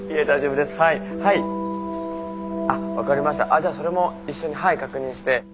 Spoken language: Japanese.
あっじゃあそれも一緒にはい確認して。